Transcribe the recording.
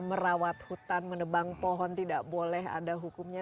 merawat hutan menebang pohon tidak boleh ada hukumnya